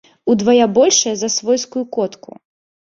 Удвая большая за свойскую котку.